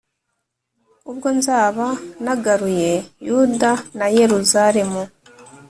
ubwo nzaba nagaruye Yuda na Yeruzalemu,